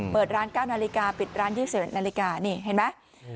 เปิดร้าน๙นาฬิกาปิดร้าน๒๑นาฬิกานี่เห็นไหม